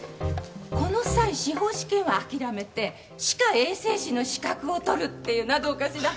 この際司法試験は諦めて歯科衛生士の資格を取るっていうのはどうかしら？